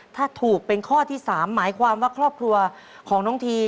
ถ้าถูกเป็นข้อที่๓หมายความว่าครอบครัวของน้องที